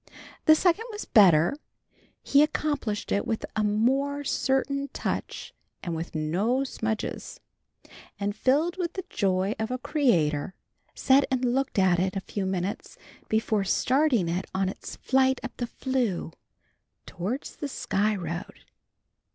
The second was better. He accomplished it with a more certain touch and with no smudges, and filled with the joy of a creator, sat and looked at it a few minutes before starting it on its flight up the flue towards the Sky Road.